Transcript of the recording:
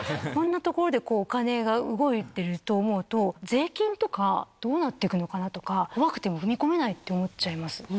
こんなところでお金が動いていると思うと、税金とかどうなってるのかなとか、怖くてもう踏み込めないって思っちゃいます。